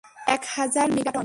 এক হাজার মেগাটন!